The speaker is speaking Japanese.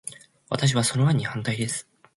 私は、その案に反対です。